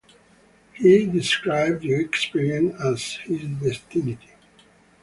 He described the experience as his destiny.